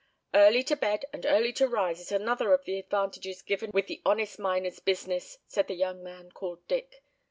"Early to bed and early to rise is another of the advantages given in with the honest miner's business," said the young man called Dick.